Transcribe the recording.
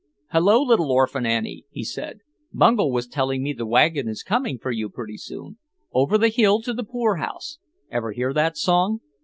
"Hello, little orphan Annie," he said. "Bungel was telling me the wagon is coming for you pretty soon. Over the hill to the poorhouse. Ever hear that song?